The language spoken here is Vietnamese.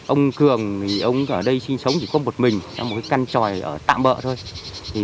ông cường ở đây sinh sống chỉ có một mình một căn tròi tạm bỡ thôi